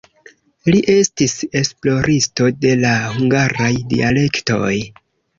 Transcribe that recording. Li estis esploristo de la hungaraj dialektoj.